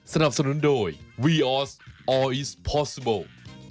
สนับสนุนโดยวีออสออีสพสโบ